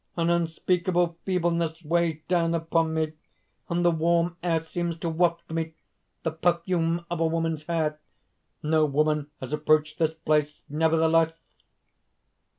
An unspeakable feebleness weighs down upon me, and the warm air seems to waft me the perfume of a woman's hair. No woman has approached this place; nevertheless?